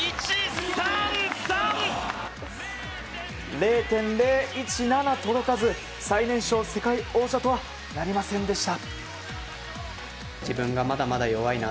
０．０１７届かず最年少世界王者とはなりませんでした。